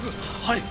はい！